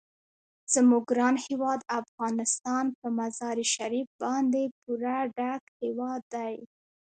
زموږ ګران هیواد افغانستان په مزارشریف باندې پوره ډک هیواد دی.